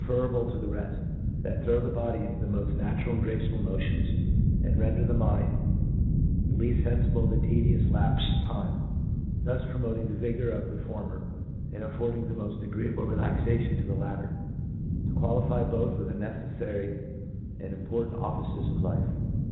ierablc to the reft, ^hat throw the body into the moft natural and graceful motions, and render the mind leaft fenfil^le pf the tedio^s lapfe plF time ; thus promoting the vigour pf fhe former, and a^ording the moft agree^le relaxation tq the latter^ to qualify both for the neceflary anc^ important offices of life.